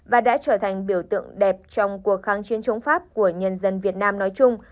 và đã trở thành biểu tượng đẹp trong cuộc kháng chiến chống pháp của nhân dân việt nam nói chung